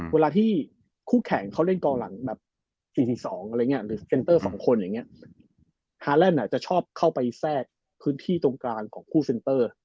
เวลาที่คู่แข่งเขาเล่นกองหลัง๔๒หรือเซ็นเตอร์๒คนฮาร์แลนด์จะชอบเข้าไปแทรกพื้นที่ตรงกลางของคู่เซ็นเตอร์